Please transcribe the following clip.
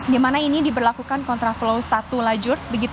di mana ini diberlakukan kontraflow satu lajur